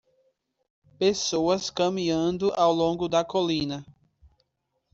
Pessoas caminhando ao longo da colina.